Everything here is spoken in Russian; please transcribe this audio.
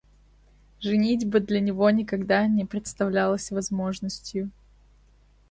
Женитьба для него никогда не представлялась возможностью.